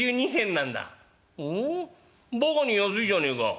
バカに安いじゃねえか。